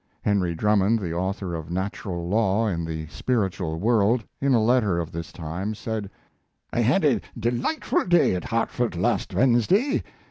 Henry Drummond, the author of Natural Law in the Spiritual World, in a letter of this time, said: I had a delightful day at Hartford last Wednesday....